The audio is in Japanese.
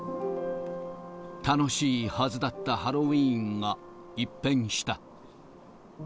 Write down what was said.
楽しいはずだったハロウィーンが一変した。